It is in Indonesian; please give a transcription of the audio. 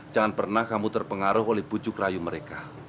jangan pernah kamu terpengaruh oleh bujuk rayu mereka